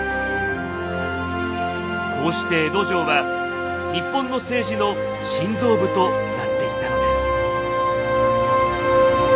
こうして江戸城は日本の政治の心臓部となっていったのです。